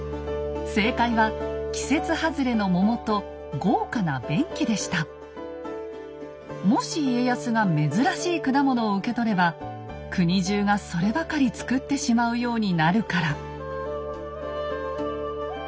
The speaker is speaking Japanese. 正解はもし家康が珍しい果物を受け取れば国じゅうがそればかり作ってしまうようになるから。